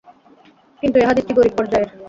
কিন্তু এ হাদীসটি গরীব পর্যায়ের।